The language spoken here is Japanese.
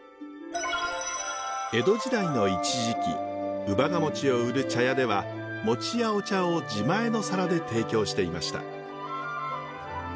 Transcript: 江戸時代の一時期姥ヶ餅を売る茶屋では餅やお茶を自前の皿で提供していました。